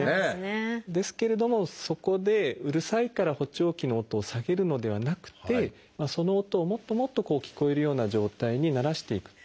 ですけれどもそこでうるさいから補聴器の音を下げるのではなくてその音をもっともっと聞こえるような状態に慣らしていく。